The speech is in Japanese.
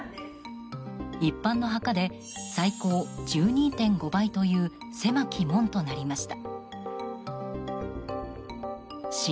一般のお墓で最高１２．５倍という狭き門となりました。